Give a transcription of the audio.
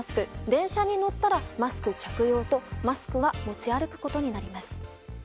電車に乗ったらマスク着用とマスクは持ち歩くことになります。